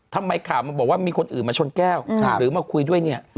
ทำไมข่าวมันบอกว่ามีคนอื่นมาชนแก้วหรือมาคุยด้วยเนี่ย